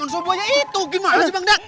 manusia buahnya itu gimana sih bangdang